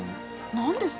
何ですか？